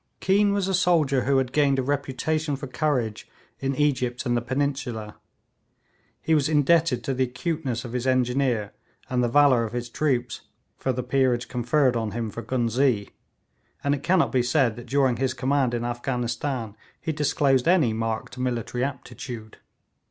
Keane was a soldier who had gained a reputation for courage in Egypt and the Peninsula. He was indebted to the acuteness of his engineer and the valour of his troops, for the peerage conferred on him for Ghuznee, and it cannot be said that during his command in Afghanistan he disclosed any marked military aptitude.